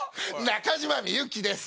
中島みゆきです。